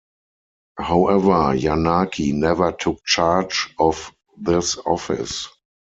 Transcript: However, Yanaki never took charge of this office.